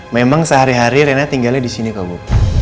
memang sehari hari reina tinggalnya di sini kak bu